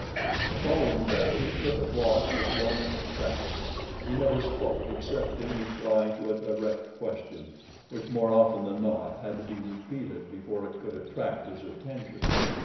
The following day Tippet walked as one in a trance. He never spoke except in reply to a direct question, which more often than not had to be repeated before it could attract his attention.